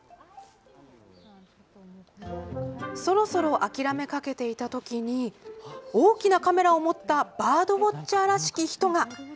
そろそろ諦めかけていたときに大きなカメラを持ったバードウォッチャーらしき人が。